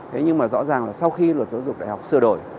thế nhưng mà rõ ràng là sau khi luật giáo dục đại học sửa đổi